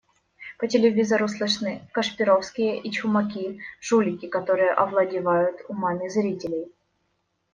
По телевизору слышны Кашпировские и Чумаки, жулики, которые овладевают умами зрителей.